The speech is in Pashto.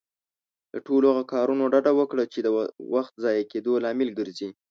له ټولو هغه کارونه ډډه وکړه، چې د وخت ضايع کيدو لامل ګرځي.